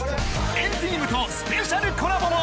＆ＴＥＡＭとスペシャルコラボも！